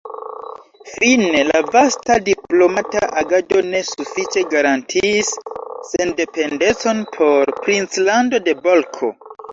Fine la vasta diplomata agado ne sufiĉe garantiis sendependecon por princlando de Bolko.